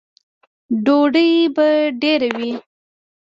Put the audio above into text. _ډوډۍ به ډېره وي؟